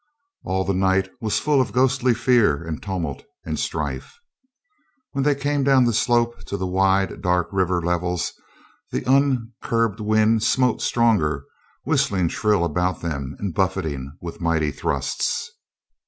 All the night was full of ghostly fear and tumult and strife. When they came down the slope to the wide, dark river levels the uncurbed wind smote stronger, whistling shrill about them and buffeting with mighty thrusts.